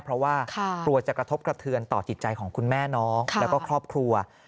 เพราะว่ากลัวจะกระทบกระเทือนต่อจิตใจของคุณแม่น้องแล้วก็ครอบครัว